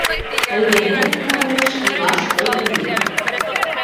Тый денет курымеш илаш ок лий...